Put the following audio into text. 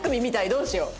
どうしよう。